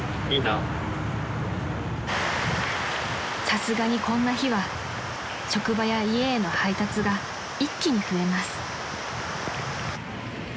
［さすがにこんな日は職場や家への配達が一気に増えます］